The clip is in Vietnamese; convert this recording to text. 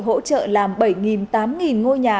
hỗ trợ làm bảy tám ngôi nhà